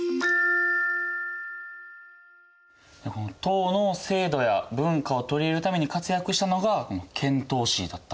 唐の制度や文化を取り入れるために活躍したのが遣唐使だったんですね。